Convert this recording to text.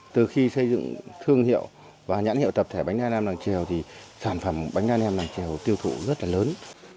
từ khi xây dựng thương hiệu và nhãn hiệu tập thể bánh đa nam làng trèo thì sản phẩm bánh đa nem này trèo tiêu thụ rất là lớn